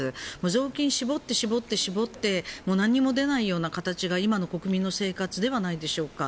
ぞうきんを絞って、絞って何も出ないような形が今の国民の生活ではないでしょうか。